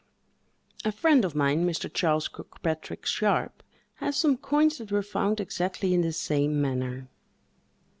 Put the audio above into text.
A friend of mine, Mr. Charles Kirkpatrick Sharpe, has some coins that were found exactly in the same manner.